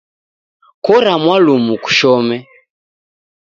Kora mwalumu kushome